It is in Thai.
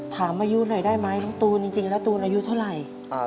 มายุหน่อยได้ไหมน้องตูนจริงแล้วตูนอายุเท่าไหร่